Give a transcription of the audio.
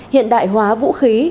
hiện đại hóa vũ khí